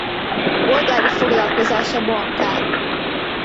Polgári foglalkozása bankár.